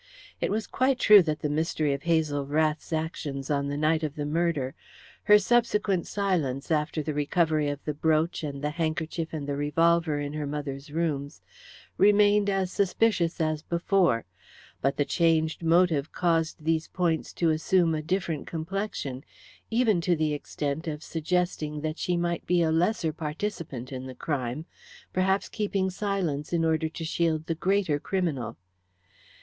It was quite true that the mystery of Hazel Rath's actions on the night of the murder, her subsequent silence after the recovery of the brooch and the handkerchief and the revolver in her mother's rooms, remained as suspicious as before, but the changed motive caused these points to assume a different complexion, even to the extent of suggesting that she might be a lesser participant in the crime, perhaps keeping silence in order to shield the greater criminal.